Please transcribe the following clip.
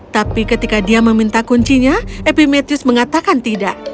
tapi ketika dia meminta kuncinya epimetheus mengatakan tidak